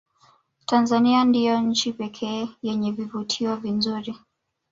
tanzania ndiyo nchi pekee yenye vivutio vinzuri